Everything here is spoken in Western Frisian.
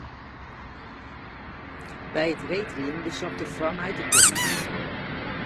By it reedriden besocht er foar my te kommen.